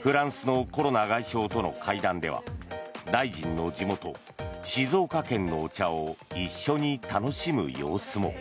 フランスのコロナ外相との会談では大臣の地元・静岡県のお茶を一緒に楽しむ様子も。